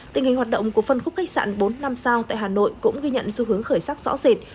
tình hình hoạt động của phân khúc khách sạn bốn năm sao tại hà nội cũng ghi nhận xu hướng khởi sắc rõ rệt